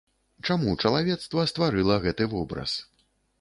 Чаму чалавецтва стварыла гэты вобраз?